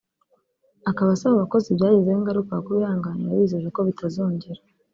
akaba asaba abakozi byagizeho ingaruka kubihanganira abizeza ko bitazongera